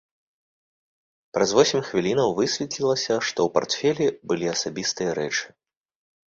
Праз восем хвілінаў высветлілася, што ў партфелі былі асабістыя рэчы.